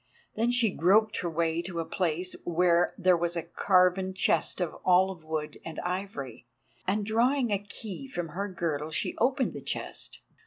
Then she groped her way to a place where there was a carven chest of olive wood and ivory, and drawing a key from her girdle she opened the chest.